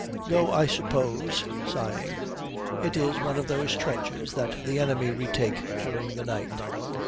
'Though I suppose,' sighing, 'it is one of those trenches that the enemy retake during the night.'